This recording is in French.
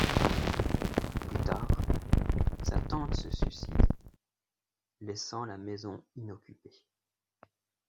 Plus tard, sa tante se suicide, laissant la maison inoccupée.